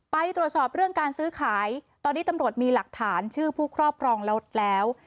ไปตรวจสอบเรื่องการซื้อขายตอนนี้ตำรวจมีหลักฐานชื่อผู้ครอบครองรถแล้ว